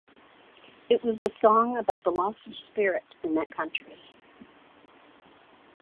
It was a song about the loss of spirit in that country.